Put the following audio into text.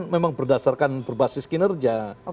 memang berdasarkan berbasis kinerja